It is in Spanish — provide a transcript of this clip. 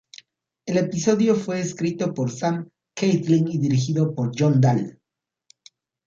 El episodio fue escrito por Sam Catlin y dirigido por John Dahl.